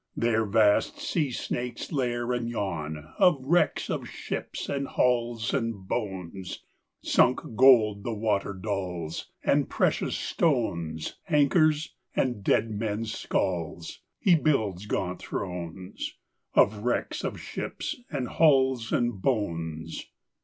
There vast the sea snakes lair And yawn. Of wrecks of ships and hulls And bones, Sunk gold the water dulls, And precious stones, Anchors, and deadmen's skulls, He builds gaunt thrones. Of wrecks of ships and hulls And bones.